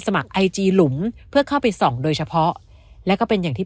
ไอจีหลุมเพื่อเข้าไปส่องโดยเฉพาะแล้วก็เป็นอย่างที่